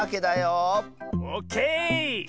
オッケー！